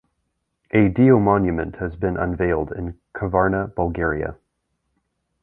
A Dio monument has been unveiled in Kavarna, Bulgaria.